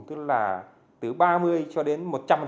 tức là từ ba mươi cho đến một trăm linh